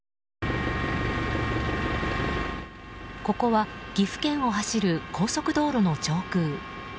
ここは岐阜県を走る高速道路の上空。